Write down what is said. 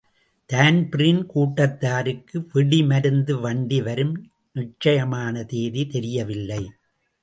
Dan Breen கூட்டத்தாருக்கு வெடிமருந்து வண்டி வரும் நிச்சயமான தேதி தெரியவில்லை.